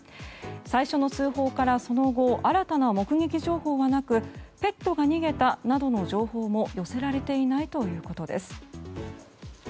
最初の通報からその後新たな目撃情報はなくペットが逃げたなどの情報も寄せられていないということです。